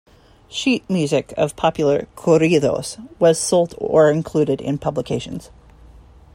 Sheet music of popular "corridos" was sold or included in publications.